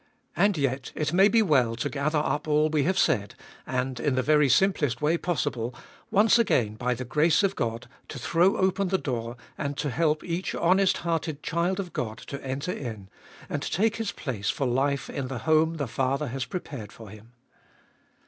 And yet it may be well to gather up all we have said, and in the very simplest way possible, once again, by the grace of God, to throw open the door, and to help each honest hearted child of God to enter in, and take his place for life in the home the Father has prepared for him.